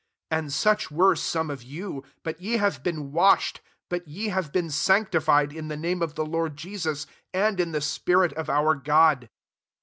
1 1 And such were some of you : but ye have been washed, but ye have been sanctified, in the name of the Lord Jesus, and in the spirit of our God.